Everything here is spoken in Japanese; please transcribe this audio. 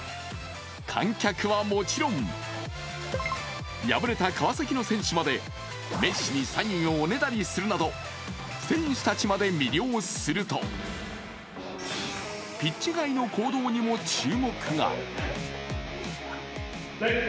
観客はもちろん、敗れた川崎の選手までメッシにサインをおねだりするなど、選手たちまで魅了するとピッチ外の行動にも注目が。